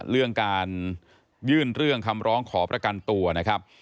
เรื่องการยื่นเรื่องคำร้องขอประกันตัวนะครับ